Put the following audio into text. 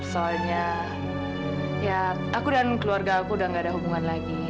soalnya ya aku dan keluarga aku udah gak ada hubungan lagi